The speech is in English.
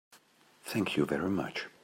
Thank you very much.